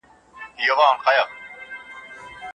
خلګ بايد د ټولني خير ته کار وکړي.